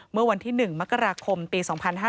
เมื่อวันที่๑มกราคมปี๒๕๕๙